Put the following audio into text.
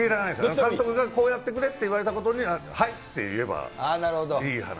監督がこうやってくれって言われたことには、はいって言えばいい話で。